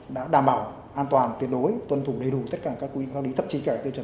đã đảm bảo an toàn tuyệt đối